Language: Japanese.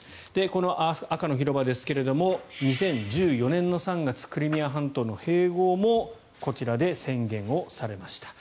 この赤の広場ですが２０１４年の３月クリミア半島の併合もこちらで宣言をされました。